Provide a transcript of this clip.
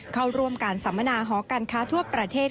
เข้าร่วมการสัมมนาหอการค้าทั่วประเทศ